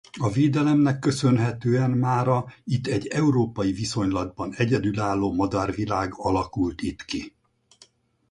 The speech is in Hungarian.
A védelemnek köszönhetően mára itt egy európai viszonylatban egyedülálló madárvilág alakult itt ki.